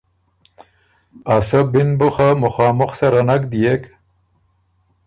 ا سۀ بی ن بُو خه مخامُخ سره نک دئېک